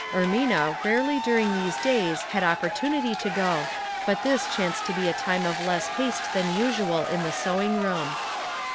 Ermina rarely during these days had opportunity to go, but this chanced to be a time of less haste tlian usual in the sewing room.